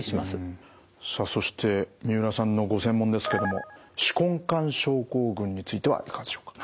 さあそして三浦さんのご専門ですけども手根管症候群についてはいかがでしょうか。